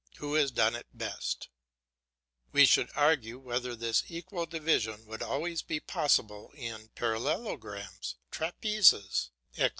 who has done it best; we should argue whether this equal division would always be possible in parallelograms, trapezes, etc.